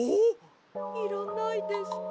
いらないですか？